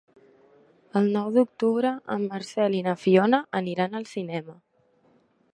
El nou d'octubre en Marcel i na Fiona aniran al cinema.